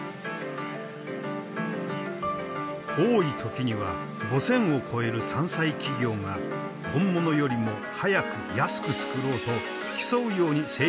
多い時には５，０００を超える山寨企業が本物よりも早く安く作ろうと競うように製品を開発した。